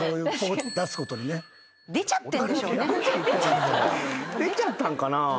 ポコ出すことにね。出ちゃったんかな？